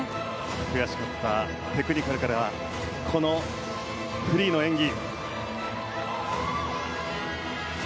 悔しかったテクニカルからこのフリーの演技。